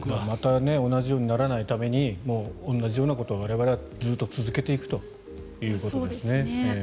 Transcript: また同じようにならないために同じようなことを我々はずっと続けていくということですね。